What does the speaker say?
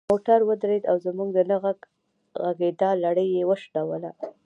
موټر ودرید او زموږ د نه غږیدا لړۍ یې وشلوله.